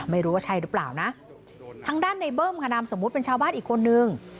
ไม่รู้ว่าใช่หรือเปล่านะทางด้านในเบิ้มค่ะนามสมมุติเป็นชาวบ้านอีกคนนึง